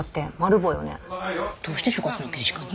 どうして所轄の刑事課に？